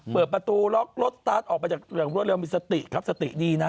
เปิดประตูล็อกรถตัดออกไปจากเรืองรถเรืองมีสติครับสติดีน่ะ